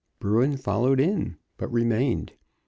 Bruin followed in, but remained.